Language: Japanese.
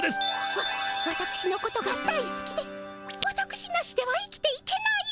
わわたくしのことが大すきでわたくしなしでは生きていけない？